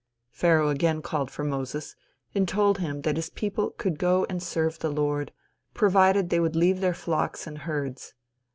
Pharaoh again called for Moses, and told him that his people could go and serve the Lord, provided they would leave their flocks and herds.